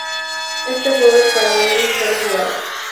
Este juego es para un solo jugador.